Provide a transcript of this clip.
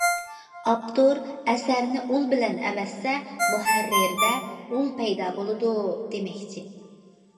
ئاپتور ئەسەرنى ئۇل بىلەن ئەۋەتسە مۇھەررىردە ئۇل پەيدا بولىدۇ، دېمەكچى.